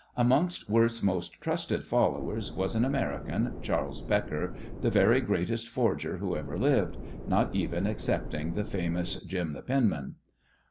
Amongst Worth's most trusted followers was an American, Charles Becker, the very greatest forger who ever lived, not even excepting the famous "Jim the Penman."